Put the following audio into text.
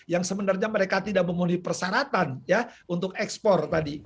yang sebenarnya mereka tidak memenuhi persyaratan ya untuk ekspor tadi